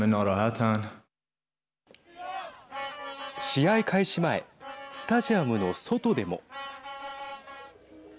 試合開始前スタジアムの外でも。